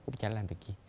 cũng chả làm việc gì